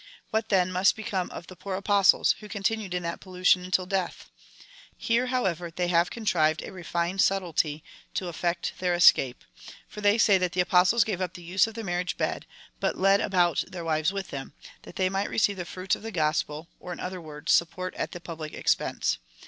'' What then must become of the poor Apostles, who continued in that pollution until death ? Here, hoAvever, they have contrived a refined subtilty to effect their escape; for they say that the Apostles gave up the use of the mar riage bed, but led about their wives with them, that they might receive the fruits of the gospel, or, in other words, support at the public expense.